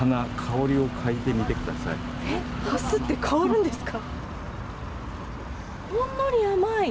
ハスって香るんですか。